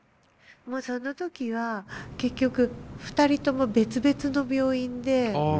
もうその時は結局２人とも別々の病院で。